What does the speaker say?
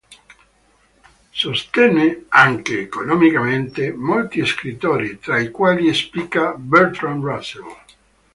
Sostenne, anche economicamente, molti scrittori, tra i quali spicca Bertrand Russell.